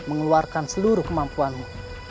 mengeluarkan seluruh kemampuanmu